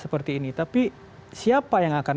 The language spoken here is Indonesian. seperti ini tapi siapa yang akan